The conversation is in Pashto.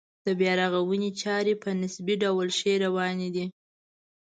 د بیا رغونې چارې په نسبي ډول ښې روانې دي.